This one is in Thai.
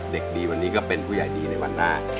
เด็กดีวันนี้ก็เป็นผู้ใหญ่ดีในวันหน้า